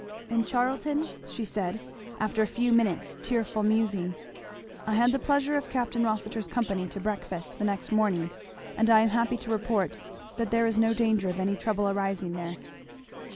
"And Charlton?" she said after a few minutes' tearful musing. "I had the pleasure of Capt. Rossitur's company to breakfast, the next morning, and I am happy to report that there is no danger of any trouble arising there."